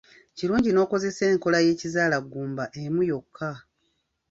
Kirungi n'okozesa enkola y'ekizaalaggumba emu yokka.